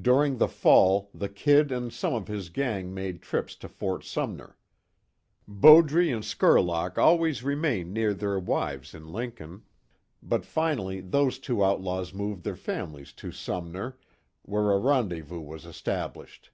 During the fall the "Kid" and some of his gang made trips to Fort Sumner. Bowdre and Skurlock always remained near their wives in Lincoln, but finally those two outlaws moved their families to "Sumner," where a rendezvous was established.